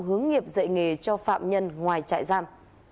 hướng nghiệp dạy nghề cho phạm nhân ngoài trại giam